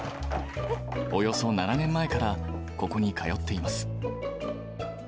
およそ７年前からここに通っています。